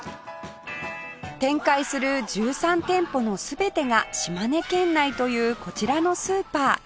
展開する１３店舗の全てが島根県内というこちらのスーパー